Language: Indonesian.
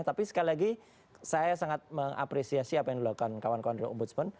tapi sekali lagi saya sangat mengapresiasi apa yang dilakukan kawan kawan dari ombudsman